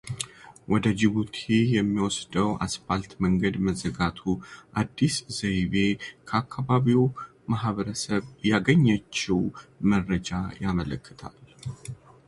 ወደ ጅቡቲ የሚወስደው አስፓልት መንገድ መዘጋቱን አዲስ ዘይቤ ከአካባቢው ማህበረሰብ ያገኘችው መረጃ ያመላክታል።